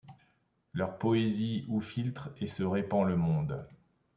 Leur poésie où filtre et se répand le monde ;